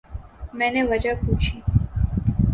میں نے وجہ پوچھی۔